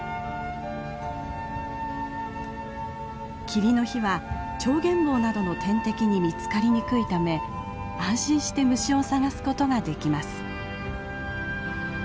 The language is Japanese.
霧の日はチョウゲンボウなどの天敵に見つかりにくいため安心して虫を探すことができます。